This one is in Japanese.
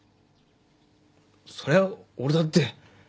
そりゃ俺だって。